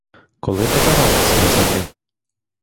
Коли така радість на землі?